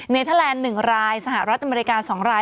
เทอร์แลนด์๑รายสหรัฐอเมริกา๒ราย